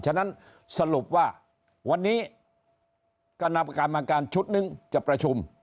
ฉะนั้นสรุปว่าวันนี้คณะประการมาการชุดนึงจะประชุม